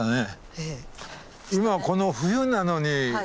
ええ。